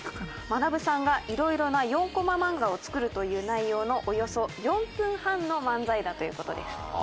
まなぶさんが色々な４コマ漫画を作るという内容のおよそ４分半の漫才だという事です。